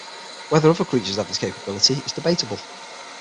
Whether other creatures have this capability is debatable.